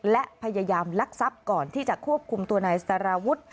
และพยายามลักทรัพย์ก่อนที่จะควบคุมตัวนายสารวุฒิ